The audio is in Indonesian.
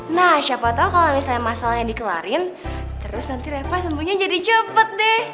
nah siapa tau kalo misalnya masalahnya dikelarin terus nanti reva sembuhnya jadi cepet deh